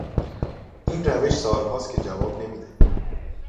این روش سال هاست که جواب نمیده